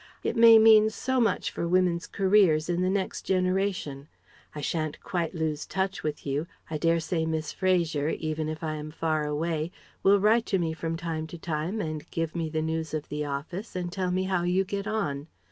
It may mean so much for women's careers in the next generation. I shan't quite lose touch with you. I dare say Miss Fraser, even if I am far away, will write to me from time to time and give me news of the office and tell me how you get on.